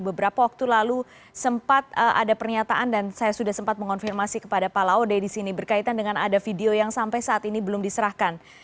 beberapa waktu lalu sempat ada pernyataan dan saya sudah sempat mengonfirmasi kepada pak laude di sini berkaitan dengan ada video yang sampai saat ini belum diserahkan